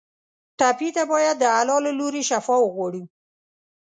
ټپي ته باید د الله له لورې شفا وغواړو.